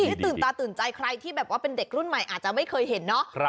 ให้ตื่นตาตื่นใจใครที่แบบว่าเป็นเด็กรุ่นใหม่อาจจะไม่เคยเห็นเนาะ